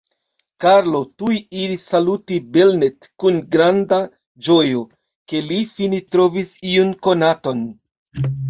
Karlo tuj iris saluti Belnett kun granda ĝojo, ke li fine trovis iun konaton.